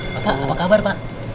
bapak apa kabar pak